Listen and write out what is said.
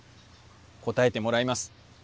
答えてもらいます。